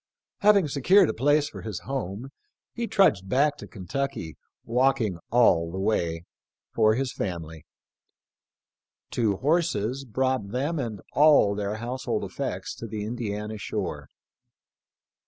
Having se cured a place for his home he trudged back to Ken tucky — walking all the way — for his family. Two horses brought them and all their household effects to the Indiana shore.